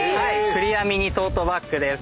クリアミニトートバッグです。